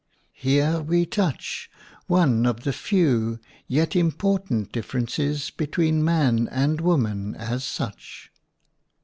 Here we touch one of the few yet important differences between man and woman as such.